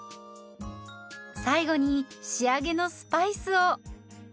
最後に仕上げのスパイスを。